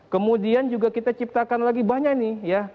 kemudian juga kita ciptakan lagi banyak nih ya